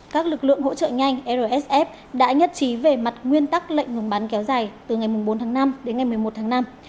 các lực lượng hỗ trợ nhanh rsf đã nhất trí về mặt nguyên tắc lệnh ngừng bắn kéo dài từ ngày bốn tháng năm đến ngày một mươi một tháng năm